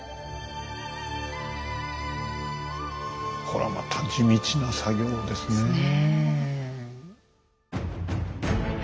こらまた地道な作業ですね。